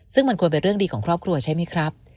ซึ่งมันควรเป็นเรื่องดีของครอบครัวใช่ไหมครับ